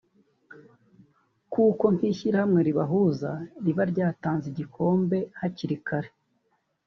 kuko nk’ishyirahamwe ribahuza riba ryaratanze ibikombe hakiri kare